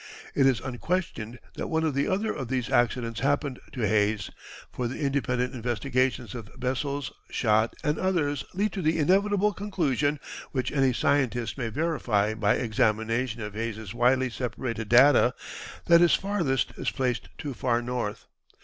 It is unquestioned that one or the other of these accidents happened to Hayes, for the independent investigations of Bessels, Schott, and others lead to the inevitable conclusion, which any scientist may verify by examination of Hayes's widely separated data, that his "farthest" is placed too far north.